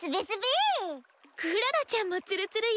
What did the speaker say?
クララちゃんもツルツルよ。